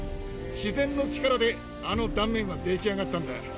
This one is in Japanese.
自然の力で、あの断面が出来上がったんだ。